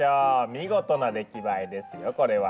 見事な出来栄えですよこれは。